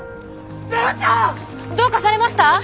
どうかされました？